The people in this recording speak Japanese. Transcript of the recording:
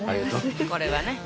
これはね